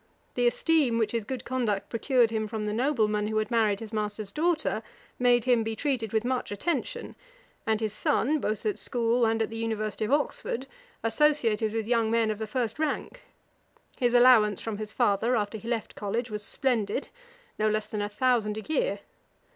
The esteem which his good conduct procured him from the nobleman who had married his master's daughter, made him be treated with much attention; and his son, both at school and at the University of Oxford, associated with young men of the first rank. His allowance from his father, after he left college, was splendid; no less than a thousand a year.